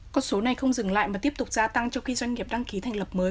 con số này không dừng lại mà tiếp tục gia tăng trong khi doanh nghiệp đăng ký thành lập mới